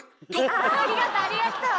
あありがとうありがとう。